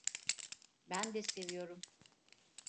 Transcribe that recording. Ben de seviyorum.